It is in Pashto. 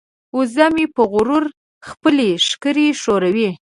وزه مې په غرور خپلې ښکرې ښوروي.